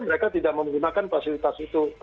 mereka tidak menggunakan fasilitas itu